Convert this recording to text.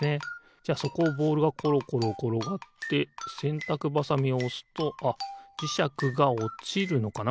じゃあそこをボールがころころころがってせんたくばさみをおすとあっじしゃくがおちるのかな？